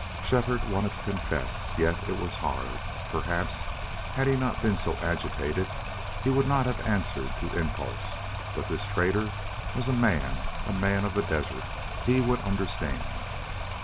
Shefford wanted to confess, yet it was hard. Perhaps, had he not been so agitated, he would not have answered to impulse. But this trader was a man a man of the desert he would understand.